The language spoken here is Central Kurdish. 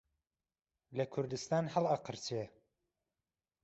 لە کوردستان هەڵئەقرچێ